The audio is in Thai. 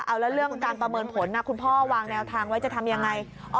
เอาแล้วเรื่องการประเมินผลคุณพ่อวางแนวทางไว้จะทำยังไง